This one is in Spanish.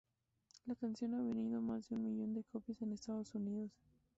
La canción ha vendido más de un millón de copias en los Estados Unidos.